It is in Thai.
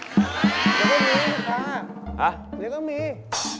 ยังไม่มีลูกค้าอ่ะเดี๋ยวก็มีลูกค้าอ่ะเดี๋ยวก็มี